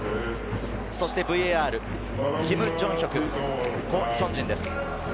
そしてＶＡＲ、キム・ジョンヒョク、コ・ヒョンジンです。